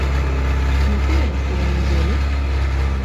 No kurienes tu viņu zini?